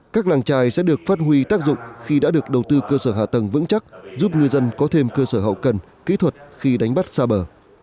các làng trài sẽ được phát huy tác dụng khi đã được đầu tư cơ sở hạ tầng vững chắc giúp ngư dân có thêm cơ sở hậu cần kỹ thuật khi đánh bắt xa bờ